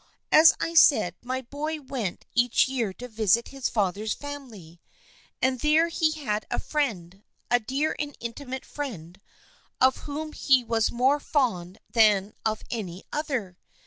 As I said, my boy went each year to visit his father's family, and there he had a friend, a dear and intimate friend of whom he was more fond than of any other.